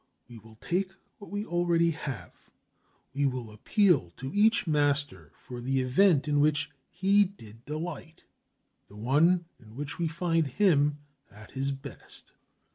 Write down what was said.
We will take what we already have. We will appeal to each master for the event in which he did delight, the one in which we find him at his best.